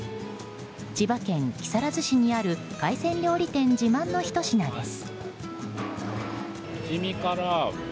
千葉県木更津市にある海鮮料理店自慢のひと品です。